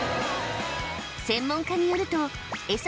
専門家によるとエサ